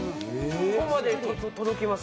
ここまで届きます。